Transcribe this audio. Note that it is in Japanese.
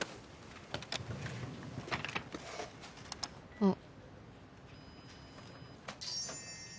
あっ。